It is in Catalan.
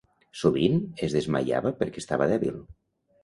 Sovint es desmaiava perquè estava dèbil.